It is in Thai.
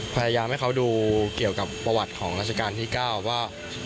พยายามให้เขาดูเกี่ยวกับประวัติของราชการที่๙ว่า